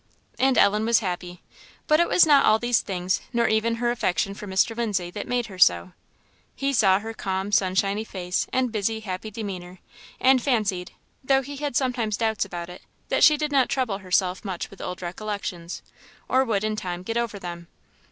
And Ellen was happy; but it was not all these things, nor even her affection for Mr. Lindsay, that made her so. He saw her calm, sunshiny face, and busy happy demeanour, and fancied, though he had sometimes doubts about it, that she did not trouble herself much with old recollections, or would, in time, get over them.